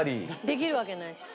できるわけないし。